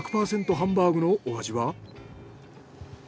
ハンバーグのお味は？